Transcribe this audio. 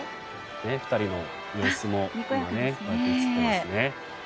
２人の様子も映っていますね。